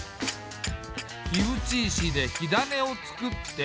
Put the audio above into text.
火打ち石で火種を作って。